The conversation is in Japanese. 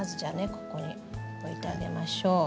ここに置いてあげましょう。